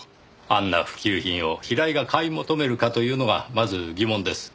あんな普及品を平井が買い求めるかというのがまず疑問です。